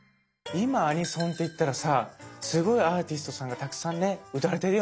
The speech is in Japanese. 今アニソンって言ったらさすごいアーティストさんがたくさんね歌われてるよね。